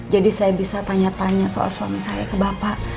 jadi saya bisa tanya dua soal suami saya ke bapak